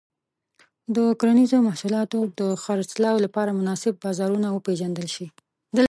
د کرنيزو محصولاتو د خرڅلاو لپاره مناسب بازارونه وپیژندل شي.